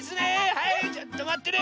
はいちょっとまってね。